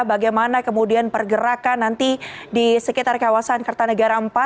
bagaimana kemudian pergerakan nanti di sekitar kawasan kertanegara empat